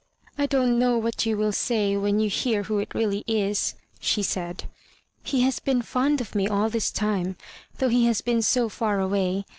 "I don't know what you will say when you hear who it really is," she said. " He has been fond of me all this time, though he has been so far away.